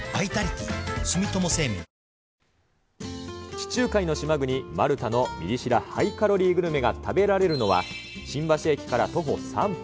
地中海の島国、マルタのミリ知らハイカロリーグルメが食べられるのは、新橋駅から徒歩３分。